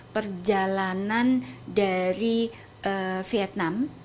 perjalanan dari vietnam